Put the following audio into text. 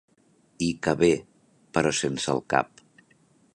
Hi cabé, però sense el cap.